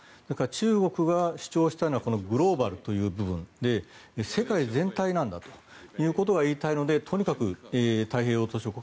中国が主張したいのはグローバルという部分で世界全体なんだということが言いたいのでとにかく、太平洋